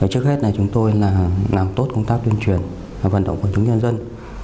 trước hết chúng tôi làm tốt công tác tuyên truyền và vận động của chúng nhân dân